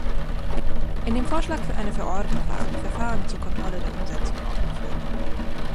In dem Vorschlag für eine Verordnung sind die Verfahren zur Kontrolle der Umsetzung aufgeführt.